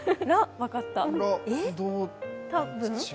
分かった。